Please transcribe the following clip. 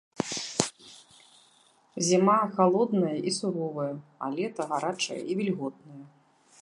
Зіма халодная і суровая, а лета гарачае і вільготнае.